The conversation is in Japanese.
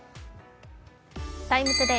「ＴＩＭＥ，ＴＯＤＡＹ」